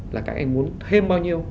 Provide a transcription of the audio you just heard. là các anh muốn thêm bao nhiêu